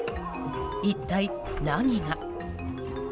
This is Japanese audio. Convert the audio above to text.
一体、何が。